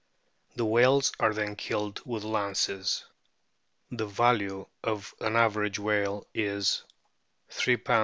The whales are then killed with lances. The value of an average whale is $ js.